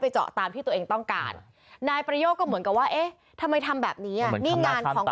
ช่วงกลางเดือน